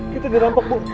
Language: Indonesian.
kita di rampok bu